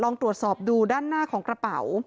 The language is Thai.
ลองตรวจสอบดูด้านหน้าของกระเป๋า